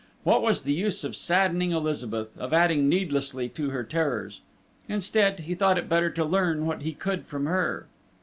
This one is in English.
What was the use of saddening Elizabeth, of adding needlessly to her terrors? Instead, he thought it better to learn what he could from her.